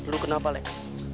lu kenapa lex